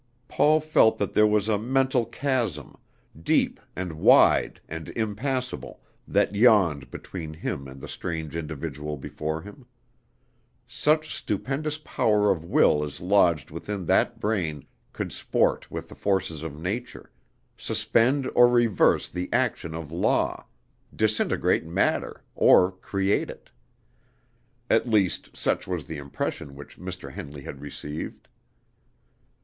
Paul felt that there was a mental chasm, deep and wide and impassable, that yawned between him and the strange individual before him. Such stupendous power of will as lodged within that brain could sport with the forces of nature, suspend or reverse the action of law, disintegrate matter, or create it. At least such was the impression which Mr. Henley had received.